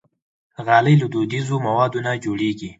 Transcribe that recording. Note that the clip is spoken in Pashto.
غالۍ له دودیزو موادو نه جوړېږي.